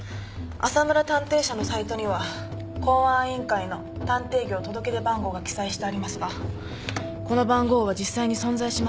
浅村探偵社のサイトには公安委員会の探偵業届出番号が記載してありますがこの番号は実際に存在しませんでした。